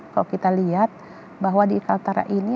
kalau kita lihat bahwa di kaltara ini